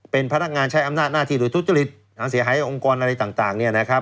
เป็นพนักงานใช้อำนาจหน้าที่โดยทุจริตเสียหายองค์กรอะไรต่าง